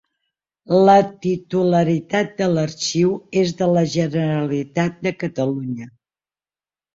La titularitat de l'Arxiu és de la Generalitat de Catalunya.